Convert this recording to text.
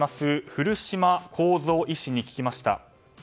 古島弘三医師に聞きました。